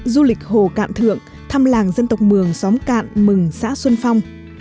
du lịch hồ cạn thượng thăm làng dân tộc mường xóm cạn mừng xã xuân phong